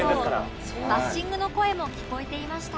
バッシングの声も聞こえていました